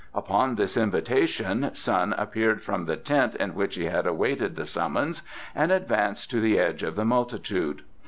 Upon this invitation Sun appeared from the tent in which he had awaited the summons and advanced to the edge of the multitude.